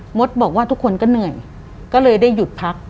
มดบอกว่าทุกคนก็เหนื่อยก็เลยได้หยุดพัก